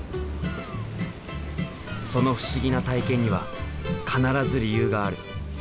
その不思議な体験には必ず理由がある。